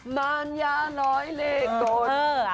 มารยาน้อยเล็กกฎ